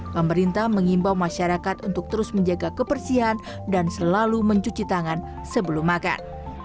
pemerintah mengimbau masyarakat untuk terus menjaga kebersihan dan selalu mencuci tangan sebelum makan